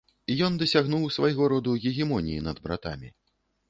Ён дасягнуў свайго роду гегемоніі над братамі.